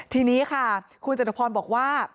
ทีนี้ค่ะคุณจตุพรบอกว่า